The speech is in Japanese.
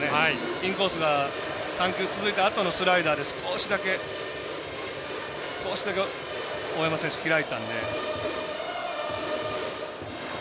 インコース３球続いたあとのスライダーで少しだけ、大山選手、開いたんで。